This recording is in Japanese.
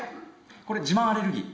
これ自慢アレルギー。